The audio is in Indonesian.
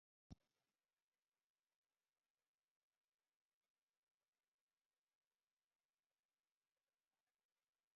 Aku punya tempat tinggal.